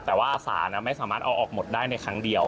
แต่ว่าสารไม่สามารถเอาออกหมดได้ในครั้งเดียว